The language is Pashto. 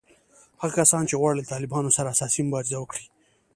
هغه کسان چې غواړي له طالبانو سره اساسي مبارزه وکړي